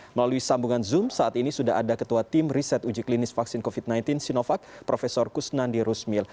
melalui sambungan zoom saat ini sudah ada ketua tim riset uji klinis vaksin covid sembilan belas sinovac prof kusnandi rusmil